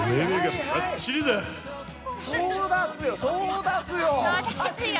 そうだすよ。